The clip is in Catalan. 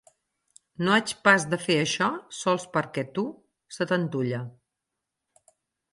No haig pas de fer això sols perquè a tu se t'antulla!